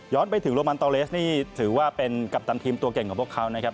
ไปถึงโรมันตอเลสนี่ถือว่าเป็นกัปตันทีมตัวเก่งของพวกเขานะครับ